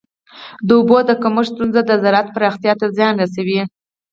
د اوبو د کمښت ستونزه د زراعت پراختیا ته زیان رسوي.